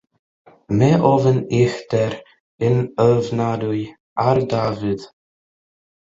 Mae ofn uchder yn ofnadwy ar Dafydd.